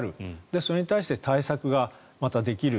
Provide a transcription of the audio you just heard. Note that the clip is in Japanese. それに対して対策がまたできる。